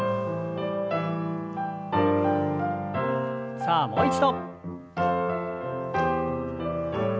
さあもう一度。